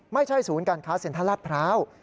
ไม่ใช่ศูนย์การค้าเซ็นทรัลลาดพร้าว